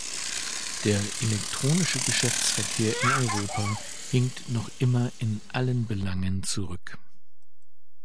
Der elektronische Geschäftsverkehr in Europa hinkt noch immer in allen Belangen zurück.